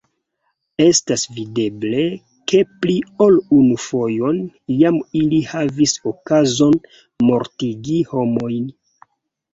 Estas videble, ke pli ol unu fojon jam ili havis okazon mortigi homojn!